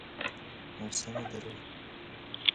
موسم درو